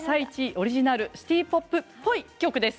オリジナルシティ・ポップっぽい曲です。